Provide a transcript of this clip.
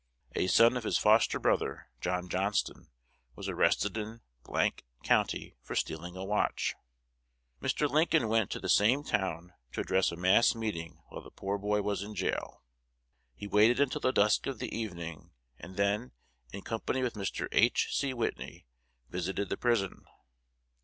A son of his foster brother, John Johnston, was arrested in County for stealing a watch. Mr. Lincoln went to the same town to address a mass meeting while the poor boy was in jail. He waited until the dusk of the evening, and then, in company with Mr. H. C. Whitney, visited the prison.